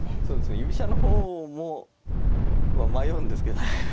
そうですね居飛車の方もまあ迷うんですけどね。